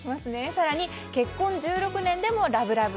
更に、結婚１６年でもラブラブ。